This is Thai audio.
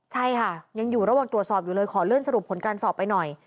ใช่ค่ะยังอยู่ระหว่างตรวจสอบอยู่เลยขอเลื่อนสรุปผลการสอบไปหน่อย